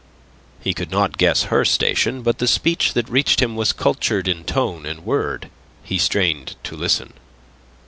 He could not guess her station, but the speech that reached him was cultured in tone and word. He strained to listen.